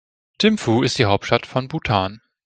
Thimphu ist die Hauptstadt von Bhutan.